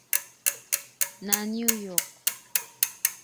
na New York.